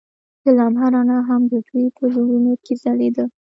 د لمحه رڼا هم د دوی په زړونو کې ځلېده.